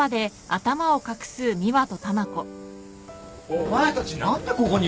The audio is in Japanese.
お前たち何でここに？